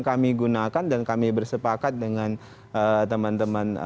kami gunakan dan kami bersepakat dengan teman teman